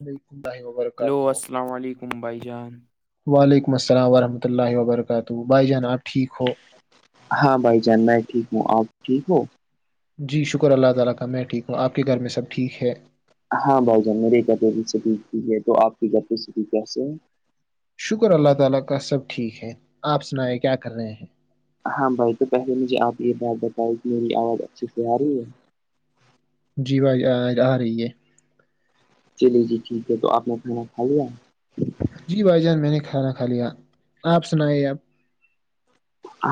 وعلیکم اللہ ہلو وبرکاتہ السلام علیکم بھائی جان وعلیکم السلام ورحمتۃ اللہ وبرکاتہ بھائی جان آپ ٹھیک ہو ہاں بھائی جان میں ٹھیک ہوں آپ ٹھیک ہو جی شکر اللہ تعالی کا میں ٹھیک ہوں آپ کے گھر میں سب ٹھیک ہے ہاں بھائی جان میری کیپٹی ہے تو آپ کی کیپسٹی کیس ہے شکر اللہ تعالی کا سب ٹھیک ہے آپ سنیں کیا کر رہے ہیں ہاں بھائی تو پہلے مجھے آپ یہ بات بتائی کہ میری آواز اچھی سے آ رہی ہے جی بھائی آ رہی ہے چلیے جی ٹھیک ہے تو آپ نے کھانا کھا لیا جی بھائی جان میں نے کھانا کھا لیا آپ سنائی آپ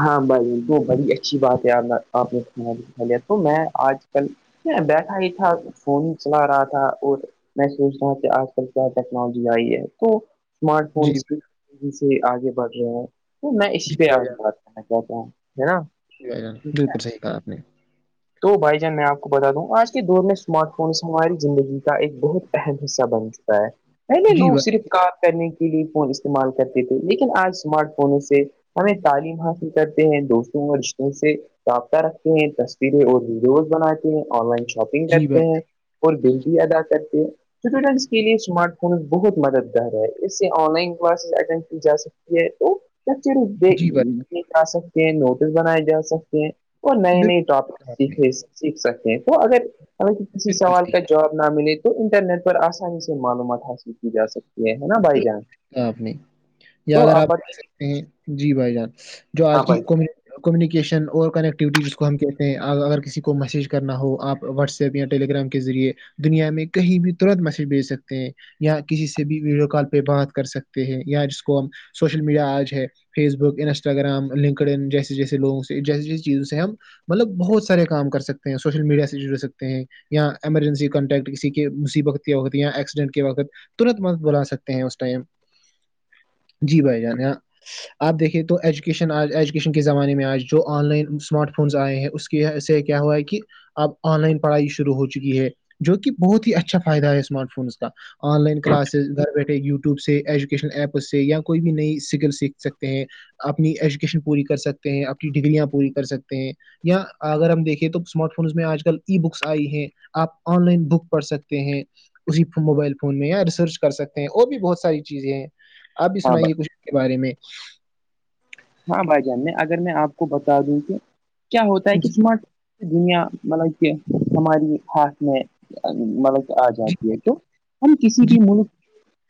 ہاں بائی وہ بڑی اچھی بات ہے آپ نے تو میں آج کل بیٹھا ہی تھا فون ہی چلا رہا تھا اور میں سوچ رہ ہوں کہ آج کل کیا ٹیکنالوجی آئی ہے تو اسمارٹ جی فونس کی تزی سے آگے بڑھ رہے ہیں میں اسی جی پہ آگ کیا ہے نا ج ب ج بالکل صحیحا آپ نے تو بھائی جان میں آپ کو بتا دوں آج کے دور میں اسمارٹ فونس ہماری زندگی کا ایک بہت اہم حصہ بن چک پہلے جی لوگ بھائی صرف کار کرنے کے لیے فون استعمال کرتے تھے لیکن آج اسمارٹ فونوں سے ہمیں تعلیم حاصل کرتے ہیں دوستوں اور رشتوں سے رابطہ رکھتے ہیں سھے اور ویڈیوز بناتے ہیں آن لائن شاپنگ جی کرتے بھائی ہیں اور بل بھی ادا کرتے ہیں ر اس کے لیے اسمارٹ بہت مددگار ہے اس سے آن لائن کلاسز اٹینڈ کی جا سکتی ہے تو ب صرف دیک جی بھائی دیکھ آ سکتے ہیں نوٹس بنائے جا سکتے ہیں اور نئے نئے بالکل ٹاپک کہا آپ نے سیکھ سکتے ہیں تو اگر ہمیں کسی بالکل سوال صحیح کا جو جواب نہ ملے تو انٹرنیٹ پر آسانی سے معلومات حاصل کی جا سکتی یہ ہے نا بھائی بالکل جان کہا آپ نے یا تو اگر آپ ب دیکھ سکتے جی بھائی جان جو آج بھائی کیمی کمیونیکیشن اور کنیکٹیوٹی جس کو ہم کہتے ہیں اگر کسی کو میسج کرنا ہو آپ واٹسپ یا ٹیلی گگرام کے ذریعے دنیا میں کہیں بھی ترت میسیج بھیج سکتے ہیں یااں کسی سے بھی ویڈیو کال پہ بات کر سکتے ہیں یا جس کو ہم سوشل میڈیا آج ہے Facebook Instagram LinkedIn جیسے جیسے لوگوں سے جیسی جیسی چیزوں سے ہم مطلب بہت سارے کام کر سکتے ہیں سوشل میڈیا سے جڑ سکتے ہیں یا ایمرجنسی کانٹیکٹ کسی کے مصیبت کے وقت یا ایکسیڈنٹ کے وقت ترنت مت بلا سکتے ہیں اس ٹائم جی بھائی جان ہاں آپ دیکھیے تو ایجوکیشن آج ایجوکیشن کے زمانے میں آج جو آن لائن اسمارٹ فونس آئے ہیں اس کے سے کیا ہوا ہے کہ اب آن لائن پڑھائی شروع ہو چکی ہے جو کہ بہت ہی اچھا فائدہ ہے اسمارٹ فونس کا آن لائن کلاسز بیٹھے یوٹیوب سے ایجوکیشن ایپ سے یا کوئی بھی نئی سگل سیکھ سکتے ہیں اپنی ایجوکیشن پوری کر سکتے ہیں اپنی ڈگریاں پوری کر سکتے ہیں یا اگر ہم دیکھیں تو اسمارٹ فونس میں آج کل ای بکس آئی ہیں آپ آن لائن بک پڑھ سکتے ہیں اسی موبائل فون میں یا ریسرچ کر سکتے ہیں اور بھی بہت ساری چیزیں ہیں آپ بھی ہاں سنائیے کچھ کے بارے میں ہاں بھائی جانے اگر میں آپ کو بتا دوں تو کیا ہوتا ہے کہسم دنیا مطلب کہ ہماری ہاتھ میں مطلب کہ آ جی، جاتی ہے تو ہم کسی جی، بھی ملک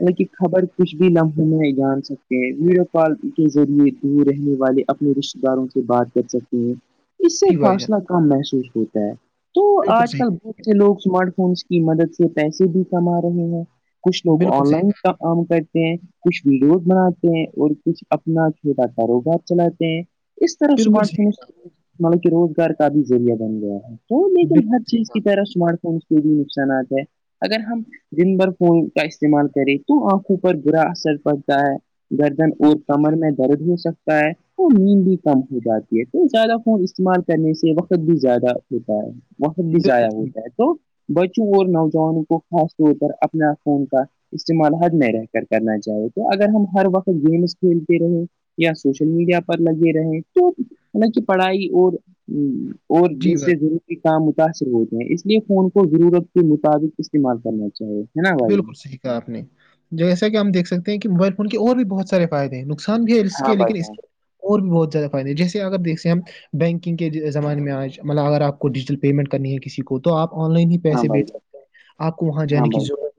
ان کی خبر کچھ بھی لمحے میں جان سکتے ہیں ویڈیو کال کے ذریعے رہنے والے اپنے رشتے داروں سے بات کر سکتے ہیں اس سے جی بھائی جان، فاصلہ کر کم محسوس ہوتا ہے تو بالکل آج صحیح، کل ب ا لوگ اسمارٹ فونس کی مدد سے پیسے بھی کما رہے ہیں کچھ لوگ بالکل آن صحیح لائن کہا، کام کرتے ہیں کچھ ووود بناتے ہیں اور کچھ اپنا ا کاروبار چلاتے ہیں اس طرح بالکل اسمارٹ صحیح فون کہا، مطلب کہ روزگار کا بھی ذریعہ بن گیا ہے تو لیکن ہر بالکل صحیح چیز کہا، کی طرح اسمارٹ فون ک بھی نقصانات ہے اگر ہم دن بھر فون کا استعمال کریں تو آنکھوں پر برا اثر پڑتا ہے گردن اور کمر میں درد ہو سکتا ہے اور نیند بھی کم ہو جاتی ہے تو زیادہ خون استعمال کرنے سے وقت بھی زیادہ ہوتا ہے وقت بھی ضائع بالکل صحیح، ہوتا کہا۔ ہے تو بچوں اور نوجوانوں کو خاص طور پر اپنا فون کا استعمال حر نہ رہ کر کرنا چاہے تو اگر ہم ہر وقت گیمس کھیلتے رہیں یا سوشل میڈیا پر لگے رہے تو حال کہ پڑھائی اور اور جی بھائی۔ دوسرے د کام متاثر ہوتے ہیں اس لیے فون کو ضرورت کے مطابق استعمال کرنا چاہیے نا بھائی جان؟ بالکل صحیحا آپ نے جیسا کہ ہم دیک سکتے ہیں کہ موبائل فون کے اور بھی بہت سارے فائد ہیں نقصان بھی ہے اس ہاں کے بھائی لیکن اس جان کے اور بھی بہت زیادہ فائدے جیسے اگر دیکھتے ہم بینکنگ کے زمانے میں آج مطلب اگر آپ کو ڈیجیٹل پیمنٹ کرنی ہے کسی کو تو آپ آن لائن ہی ہاں پیسے بھیج بھائی جان سکتے ہیں آپ کو وہاں ہاں جانے کی بھائی ضرورت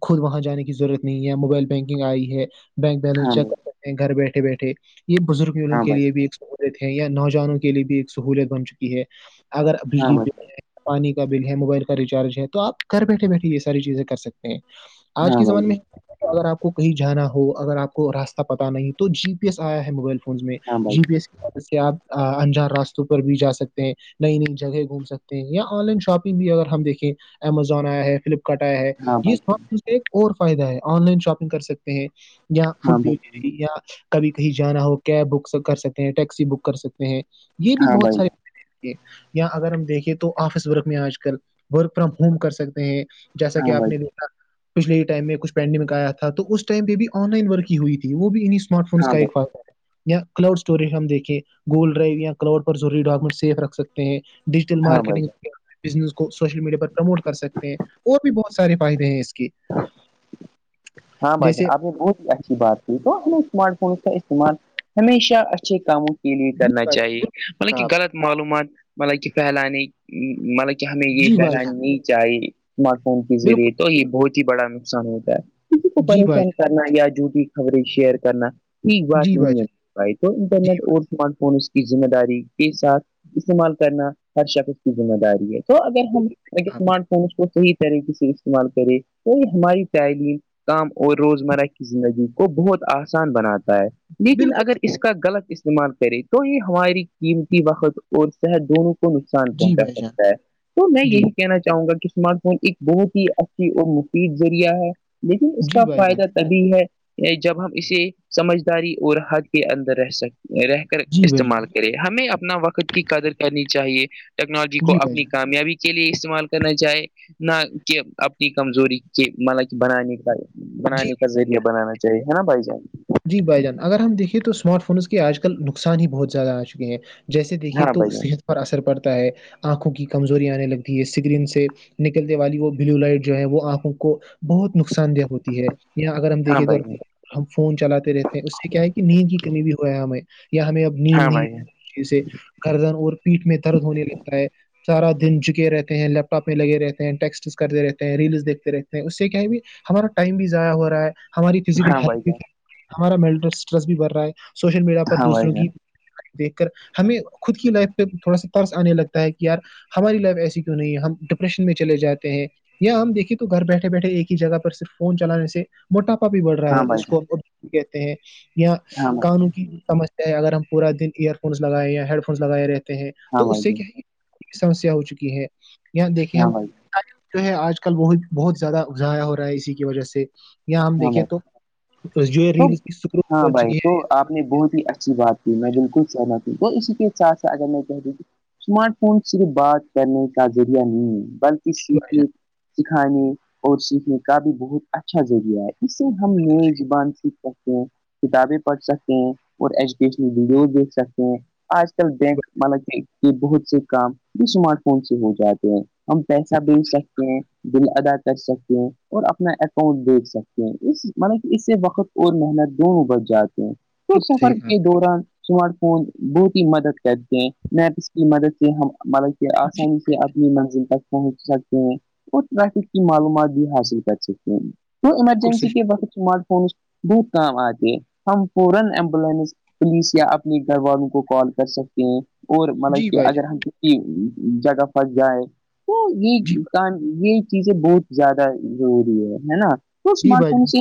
خود وہاں جانے کی ضرورت نہیں ہے موبائل بینکنگ آئی ہے بینک جان، بیلنس ہاں چیک بھائی گھر بیٹھے بیٹھے یہ بزرگ ہیں جان، انوں ہاں کے بھائی لیے بھی ایک ہیں یا نوجوانوں کے لیے بھی ایک سہولت بن چکی ہے اگر بجلی ب پانی کا بل ہے موبائل کا ریچارج ہے تو آپ گھر بیٹھے بیٹھے یہ ساری چیزیں کر سکتے ہیں جان، آج ہاں کے بھائی زمانے میں جان، اگر آپ کو کہیں جانا ہو اگر آپ کو راستہ پتا نہیں تو جی پی ایس آیا ہے موبائل فون فون میں ہاں بھائی جی جان، بی ایس کی مدد سے آپ انجار راستوں پر بھی جا سکتے ہیں نئی نئی جگہ گھوم سکتے ہیں یا آن لائن شاپنگ بھی اگر ہم دیکھیں امیزون آیا ہے فلپ کٹایا ہے ہاں بھائی یہمار ف سے ایک اور فائدہ ہے آن لائن شاپنگ کر سکتے ہیں یا جان، ہاں بھائی فڈ جان، یا کبھی کہیں جانا ہو کیب بک کر سکتے ہیں ٹیکسی بک کر سکتے ہیں یہ بھی ہاں بہت بھائی سارے جان، یا اگر ہم دیکھے تو آفس ورک میں آج کل ورک فرام ہوم کر سکتے ہیں جیسا کہ ہاں آپ بھائی جان، ہاں بھائی جان، ہاں بھائی نے جان، ہاں بھائی د پچھل ہی ٹم میں کچ پینڈنمگ آیا تھا تو اس ٹائم پہ بھی آن لائن ورکی ہوئی تھی وہ بھی ان اسمارٹ جان، فونس کا ایک فا ہے یا کلاؤڈ اسٹوریج ہم دیکیں گوگل ڈرائیو یا کلاؤڈ پر ضوری ڈاکومنٹ سیف رکھ سکتے ہیں ڈیجیٹل ہاں بھائی جان۔ مارکیٹنگ بزنس کو سوشل میڈیا پرموٹ کر سکتے ہیں اور بھی بہت سارے فائدے ہیں اس کی ہاں بھائی جاناں اب نے وہ بھی اچھی بات ہم سمارٹ فونس کا استعمال ہمیشہ اچھے کاموں لیے کرنا چاہیے مطلب کہ کہا آپ نے غلط معلومات مطلب کہ پھیلانے مطلب کہ کہ ہمیں یہ جی بھائی پھیلانی جان نہیں چاہی اسمارٹ فون کے ذریعے بالکل تو یہ بہت ہی بڑا نقصان ہوتا ہے کسی کو جی بھائی پریشان کرنا یا جھوٹی خبریں شیئر کرنا ٹھیک جان بات جی بھائی نہیں ہے جان بھائی تو جی انٹرنیٹ اور اسمارٹ فون اس کی ذمہ داری کے ساتھ استعمال کرنا ہر شخص کی ذمہ داری ہے تو اگر ہم آپ نے اسمارٹ فونس کو صحیح طریقے سے استعمال کریں تو یہ ہماری تعلیم کام اور روزمرہ کی زندگی کو بہت آسان بناتا ہے لیکن اگر بالکل اس غلط استعمال کریں تو ہی ہماری قیمتی وقت اور صحت دونوں نقصان جی پہنچا بھائی جان سکتا ہے تو میں جی یہی کہنا چاہوں گا کہ اسمارت ایک بہت ہی اچھی اور مفید ذریعہ ہے لیکن اس کا جی بھائی جان فائدہ بھی ہے جب ہم اسے سمجھداری اور حد کے اندر رہ سکتے رہ جی بھائی جان استعمال کرے ہمیں اپنا وقت کی قدر کرنی چاہیے ٹیکنالوجی کو جی بھائی اپنی جان کامیابی کی کے لیے استعمال کرنا چاہے نہ کہ اپنی کمزوری کے مطب بنانے کا جی بنانے کا ذریعہ بنانا چاہیے ہے نا بھائی جان جی بھائی جان اگر ہم دیکھے تو اسمارٹ فونس کے آج کل نقصان ہی بہت زیادہ آ چکے ہیں جیسے دیکھیے ہاں تو بھائی جان صحت پر اثر پڑتا ہے آنکھوں کی کمزوری آنے لگتی ہے سگرین سے نکلنے والی وہ بلیو لائٹ جو ہے وہ آنکھوں کو بہت نقصان دہ ہوتی ہے اں اگر ہم ہاں دیکیںے تو بھائی جان ہم فون چلاتے رہتے ہیں اس سے کیا ہے کہ نیند کی کمی بھی ہوا ہے ہمیں یا ہمیں اب نیند ہاں نہیں بھائی جان جسے گردن اور پیٹ میں درد ہونے لگتا ہے سارا دن جھکے رہتے ہیں لیپٹاپ میں لگے رہتے ہیں ٹیکسٹ کرتے رہتے ہیں ریلس دیکھتے رہتے ہیں اس سے کیایں بھی ہمارا ٹائم بھی ضائع ہو رہا ہے ہماری ہاں فزیکلھ بھائی بھی ہمارا مٹل اسٹریس بھی بڑھ رہا ہے سوشل میڈیا پر دوسروں جان کی دیکھ کر ہمیں خود کی لائف پہ تھوڑا سا ترس آنے لگتا ہے کہ یار ہماری لائف ایسی کیوں نہیں ہے ہم ڈپریشن میں چلے جاتے ہیں یا ہم دیکھیے تو گھر بیٹھے بیٹھے ایک ہی جگہ پر صرف فون چلانے سے موٹاپا بھی بڑھ رہا ہے ہاں بھائی اس جان کو کہتے ہیں یہاں ہاں بھائی جان قانوں کی اگر ہم پورا دن ایئر فونس لگائے یا ہیڈ فونس لگائے رہتے ہیں ہاں بھائی جان ہاں تو اس بھائی سے جان کیا ہے سمسیا ہو چکی ہے یہ دیکھیں ہم ہاں بھائی جو ہے آج کل وہ بہت زیادہ ا ضائع ہو رہا ہے اسی کی وجہ سے یا ہم ہاں دیکھیں بھائی تو تو ہاں بھائی تو [inaudible] آپ نے بہت ہی اچھی بات کی میں بالکل سہنا تو اسی کےے ساتھ س اگر میں کہہ دوںھی اسمارٹ فون صرف بات کرنے کا ذریعہ نہیں ہے بلکہ سیکھنے سکھانے اور سیکھنے کا بھی بہت اچھا ذریعہ ہے جسے ہم نئے زبان سے سکتے ہیں کتابیں پڑھ سکتے ہیں اور ایجوکیشنل ویڈیوز دیکھ سکتے ہیں آج کل بینک ما یہ بہت سے کام جو اسمارٹ فون سے ہو جاتے ہیں ہم پیسہ بیچ سکتے ہیں بل ادا کر سکتے ہیں اور اپنا اکاؤنٹ سکتے ہیں اس مطب اس سے وقت اور محنت دونوں بچ جاتے ہیں تو جی بھائی جان جی بھائی جان، بالکل صحیح سفر کہا آپ کے نے، دوران اسمارٹ فون بہت ہی مدد کرتے ہیں میپس کی مدد سے ہم مطلب کہ آسانی سے اپنی منزل پہنچ سکتے ہیں اور ٹریفک کی معلومات بھی حاصل کر سکتے ہیں تو بالکل ایمرجنسی صحیح کے وقت اسمارٹ فونس بہت کام آتے ہیں ہم فورا ایمبولینس پلیس یا اپنے گھر والوں کو کال کر سکتے ہیں اور جی مطلب کہ بھائی جان اگر ہم جگہ پھس جائے جی یہ بھائی کام یہ چیزیں بہت زیادہ ضروری ہے ہے نا تو جی اسمارٹ بھائی فون جان سے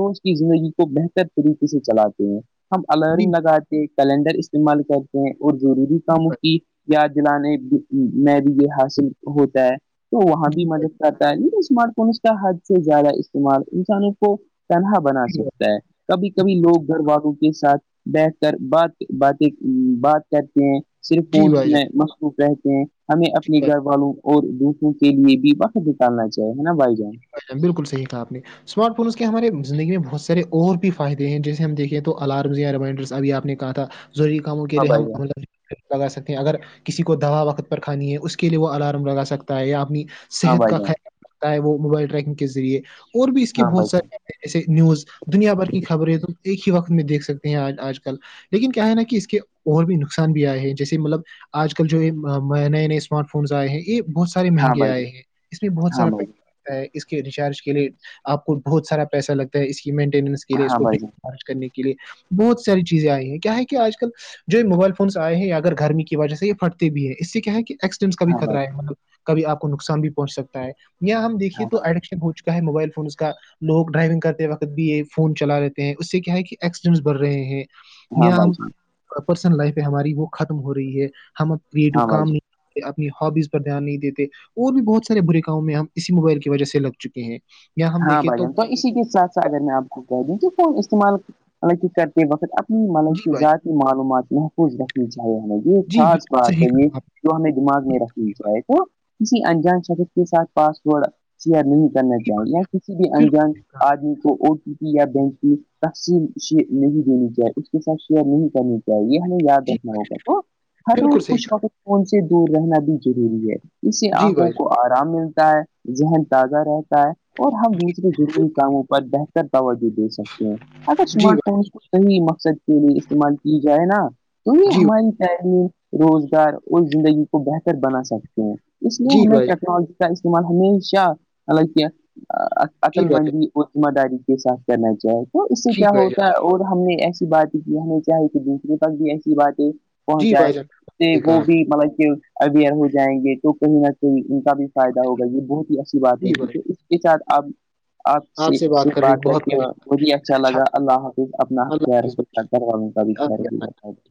روز کی زندگی کو بہتر طریقے سے چلاتے ہیں ہم الرن لگاتے کیلنڈر استعمال کرتے ہیں اور ضروری کاموں کی یاد دلانے میں بھی یہ حاصل ہوتا ہے تو وہاں بھی جی بھائی جان مدد کر اسمارٹ فونس کا حد سے زیادہ استعمال انسانوں کو تنہا بنا جی بھائی سکتا ہے کبھی کبھی جان لوگ گھر والوں کے ساتھ بیٹھ کر بات باتیں بات کرتے ہیں صرف جی بھائی جان جی بھائی جان جی فونس بھائی جان میں مخروف رہتے ہیں ہمیں جی بھائی اپنی جان، گھر والوں اور دوسروں کے لیے بھی بقت نکالنا چاہے ہے نا بھائی جان بالکل صحیح کہا آپ نے اسمارٹ فونس کے ہمارے زندگی میں بہت سارے اور بھی فائدے ہیں جیسے ہم دیکھیں تو الارمز یا ریمائنڈرس ابھی آپ نے کہ تھا ضروری کاموں کے ہاں لیے بھائی جان ہملہ لگا سکتے ہیں اگر کسی کو دوا وقت پر کھانی ہے اس کے لیے وہ الارم لگا سکتا ہے یا اپنی ہاں صحت بھائی کا جان خیال رکھتا ہے وہ موبائل ٹریکنگ کے ذریعے اور بھی اس کے ہاں بہت بھائی جان سارے ایسے نیوز دنیا بھر کی خبریں تو ایک ہی وقت میں دیکھ سکتے ہیں آج آج کل لیکن کیا ہے نا کہ اس کے اور بھی نقصان بھی آئے ہیں جیسے مطلب آج کل جو یہ نئے نئے اسمارٹ فونس آئے ہیں یہ بہت س مہنگے آئے ہیں اس میں بہت ہاں سارا بھائی پیک جان اس کے ریچارج کے لیے آپ کو بہت سارا پیسہ لگتا ہے اس کی مینٹیننس کے لیے اس ہاں کو بھائی جان خار کرنے کے لیے بہت ساری چیزیں آئی ہیں کیا ہے کہ آج کل جو یہ موبائل فونس آئے ہیں یا اگر گرمی کی وجہ سے یہ پھٹتے بھی ہیں اس سے کیا ہے کہ س کا بھی ہاں بھائی جان ہاں خطرہ بھائی ہے مطلب کبھی آ کو نقصان بھی پہن سکتا ہے یا ہم دیکھیے ہاں تو بھائی ایڈکشن ہو چکا کا موبائل فونز کا لوگ ڈرائیونگ کرتے وقت بھی یہ فون چلا رہتے ہیں اس سے کیا ہے کہ ایکسیڈنٹس بڑ رہے ہیں ہاں بھائی ہم جان پرسن لائف ہے ہماری وہ ختم ہو رہی ہے ہم اب کریٹو ہاں بھائی جان کام نہیں کرتے، اپنی ہابیز پر دھیان نہیں دیتے اور بھی بہت سارے برے کامو میں ہم اسی موبائل کی وجہ سے لگ چکے ہیں یا ہم ہاں دیکھیں بھائیان تو اسی کے ساتھ سھ اگر میں آپ کو کہہ دوں کہ فون استعمالطلب کر [unintelligible] کے وقت اپنی ملائی جی کی بھائی جان ذاتی معلومات محفوظ رکھی جائے ہما یہ جی خاص بالکل بات صحیح ہے یہ کہا آپ [unintelligible] جو ہمیں دماغ میں رکھنی چاہائے تو کسی انجان شخص کے ساتھ پاس ورڈ شیئر نہیں کرنا چاہیں یا کسی بھی نے، بالکل انجان صحیح کہا آدمی کو اور چ [unintelligible] یا بینک کی تقسیمئ نہیں دینی چاہیے اس کے ساتھ شیئر نہیں کرنی چیے یہ ہمیں یاد جی رکھنا بھائی ہوگا تو ہر جان، بالکل روز صحیح کچھ کہا فون سے دور رہنا بھی ضروری ہے [unintelligible] اس سے جی آنکھوں بھائی کو جان آرام ملتا ہے ذہن تازہ رہتا ہے اور ہم دوسرے ضروری کاموں پر بہتر توجہ دے سکتے ہیں اگر جی سمارٹ بھائی فون کو صحیح مقصد کے لیے استعمال کی جائے نا تو یہ جی ہماری تلیم روزگار اور زندگی کو بہتر بنا سکتے ہیں اس لیے جی ہمیں بھائی جان ٹیکنالوجی کا استعمال ہمیشہ حالانکہ عقل جی بھائی جان مندی اور ذمہ داری کے ساتھ کرنا چاہے تو اس سے کیا جی بھائی جان ہوتا ہے اور ہم نے ایسی باتیں کی ہمیں چاہے کہ دوسرے تک بھی ایسی باتیں پہنچ جی جائے بھائی جان کہ صحیح وہ کہا آپ بھی مطلب کہ اویئر ہو جائیں گے تو کہیں نہ کہیں ان کا بھی فائدہ ہوگا یہ بہت ہی اچھی بات نے، جی رہگی بھائی تو ا س آپ آپ جان سے [unintelligible] صف رہی بات کر بہت کہ وہ ہی اچھا لگا اللہ حافظ اپنا لگا۔ اللہ حافظ بھائی ر والوں کا بھی جان آپ ر اپنا [unintelligible] اور [unintelligible]